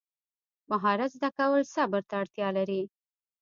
مهارت زده کول صبر ته اړتیا لري.